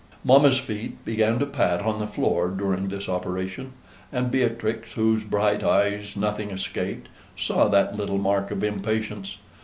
Mamma's feet began to pat on the floor during this operation, and Beatrix, whose bright eyes nothing escaped, saw that little mark of impatience.